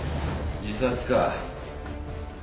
自殺か